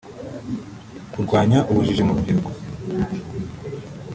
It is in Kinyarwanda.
kurwanya ubujiji mu rubyiruko